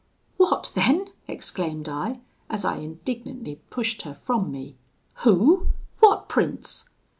"'What then,' exclaimed I, as I indignantly pushed her from me, 'who? what prince?'